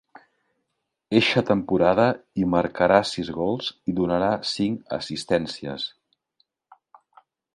Eixa temporada, hi marcara sis gols i donarà cinc assistències.